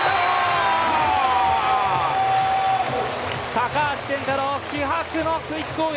高橋健太郎気迫のクイック攻撃！